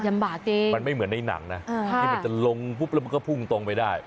จริงมันไม่เหมือนในหนังนะที่มันจะลงปุ๊บแล้วมันก็พุ่งตรงไปได้